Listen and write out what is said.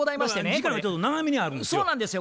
時間がちょっと長めにあるんですよ。